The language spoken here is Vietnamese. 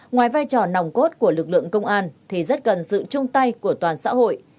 ngoài vai trò nòng cốt của lực lượng công an thì rất cần sự chung tay của toàn xã hội